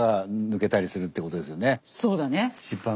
そうだね。